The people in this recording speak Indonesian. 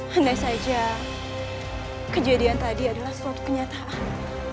hai hendak saja kejadian tadi adalah suatu kenyataan